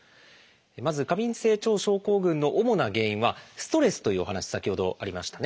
まず過敏性腸症候群の主な原因はストレスというお話先ほどありましたね。